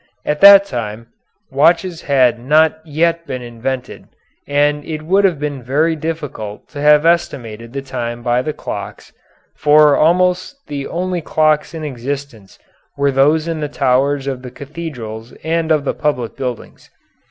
At that time watches had not yet been invented, and it would have been very difficult to have estimated the time by the clocks, for almost the only clocks in existence were those in the towers of the cathedrals and of the public buildings.